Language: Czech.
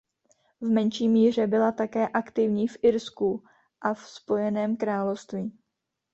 V menší míře byla také aktivní v Irsku a v Spojeném království.